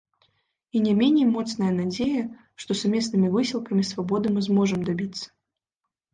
І не меней моцная надзея, што сумеснымі высілкамі свабоды мы зможам дабіцца.